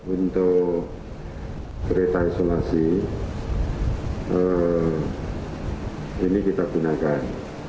untuk kereta isolasi ini kita gunakan